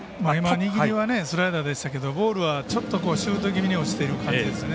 握りはスライダーでしたけどボールは、ちょっとシュート気味に落ちてる感じですね。